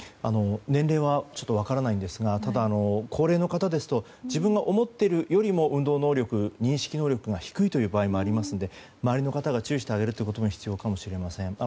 年齢は分からないんですが高齢の方ですと自分が思っているよりも運動能力、認識能力が低い場合もありますので周りの方が注意してあげることが必要かもしれません。